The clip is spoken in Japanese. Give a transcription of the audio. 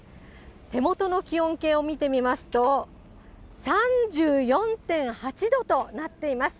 手元の気温計を見てみますと、３４．８度となっています。